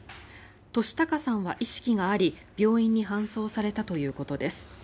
俊孝さんは意識があり、病院に搬送されたということです。